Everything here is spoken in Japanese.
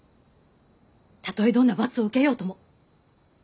たとえどんな罰を受けようとも。